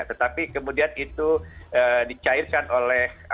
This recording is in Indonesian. tetapi kemudian itu dicairkan oleh